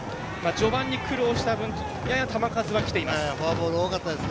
序盤に苦労した分やや球数はきています。